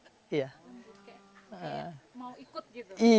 lembu kayak mau ikut gitu